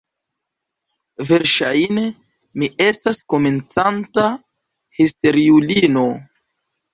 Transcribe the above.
Verŝajne, mi estas komencanta histeriulino.